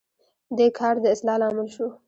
دې کار د اصلاح لامل شو.